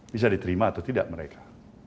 bisa diterima atau tidak mereka